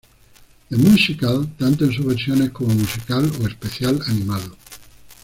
The Musical", tanto en sus versiones como musical o especial animado.